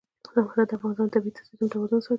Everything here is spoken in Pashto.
زمرد د افغانستان د طبعي سیسټم توازن ساتي.